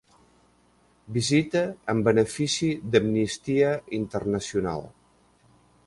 Visita en benefici d"Amnistia Internacional.